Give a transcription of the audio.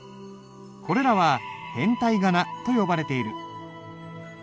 これらは変体仮名と呼ばれている。